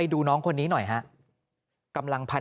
ลูกผู้หญิงบ้านนี้มาเป็นนักมวยเหมือนกัน